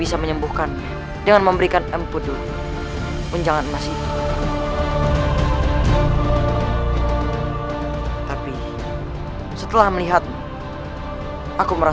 sampai jumpa di video selanjutnya